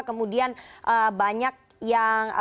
kemudian banyak yang